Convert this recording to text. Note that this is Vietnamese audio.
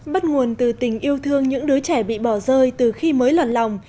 bắt nguồn từ tình yêu thương những đứa trẻ bị bỏ rơi từ khi mới lon lòng